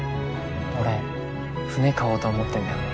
俺船買おうと思ってんだよね。